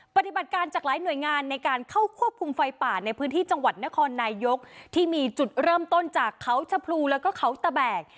ปฏิบัติการจากหลายหน่วยงานในการเข้าควบคุมไฟป่าในพื้นที่จังหวัดนครนายกที่มีจุดเริ่มต้นจากเขาชะพรูแล้วก็เขาตะแบก